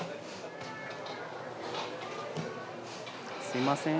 すいません。